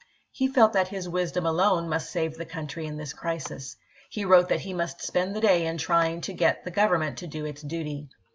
He felt that his wisdom alone must save the country in this crisis ; he wrote that he must spend the day in trying to get the Grovernment to do its duty.